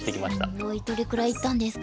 すごい！どれぐらい行ったんですか？